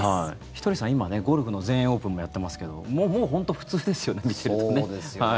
ひとりさん、今ゴルフの全英オープンもやっていますけどもう本当に普通ですよね見てるとね。